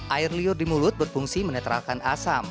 air liur di mulut berfungsi menetralkan asam